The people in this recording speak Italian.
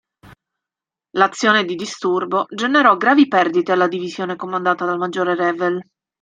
L'azione di disturbo generò gravi perdite alla divisione comandata dal maggiore Revel.